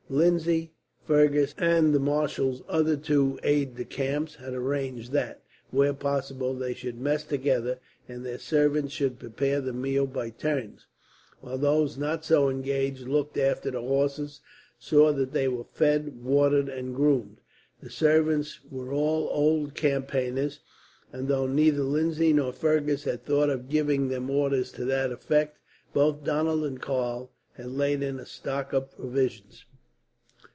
Lindsay, Fergus, and the marshals other two aides de camp had arranged that, when possible, they should mess together; and their servants should prepare the meal by turns, while those not so engaged looked after the horses, saw that they were fed, watered, and groomed. The servants were all old campaigners, and though neither Lindsay nor Fergus had thought of giving them orders to that effect, both Donald and Karl had laid in a stock of provisions.